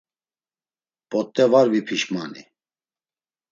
P̌ot̆e var vipişmani.